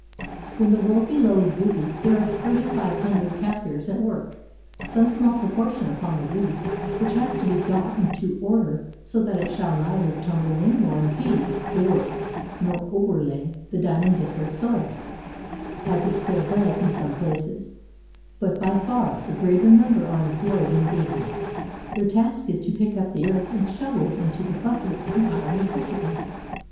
When the world below is busy there are about 3500 Kafirs at work, — some small proportion upon the reef which has to be got into order so that it shall neither tumble in, nor impede the work, nor overlay the dia mondif erous soil as it still does in some places ; but by far the greater number are employed in digging. Their task is to pick up the earth and shovel it into the buckets and iron receptacles.